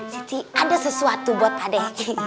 siti ada sesuatu buat pak de